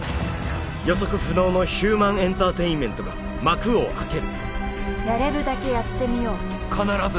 予測不能のヒューマンエンターテインメントが幕を開けるやれるだけやってみよう必ず